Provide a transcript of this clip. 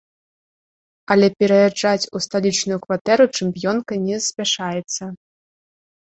Але пераязджаць у сталічную кватэру чэмпіёнка не спяшаецца.